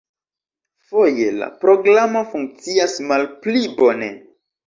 Foje la programo funkcias malpli bone.